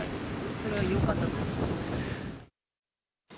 それはよかったと思います。